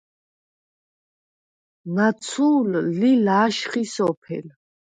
ნაცუ̄ლ ლი ლა̄შხი სოფელ.